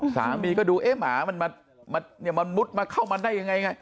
สามีก็ดูเอ๊ะหมามันมามันเนี่ยมันมุดมาเข้ามาได้ยังไงยังไง